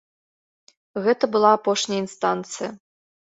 Гэта была апошняя інстанцыя.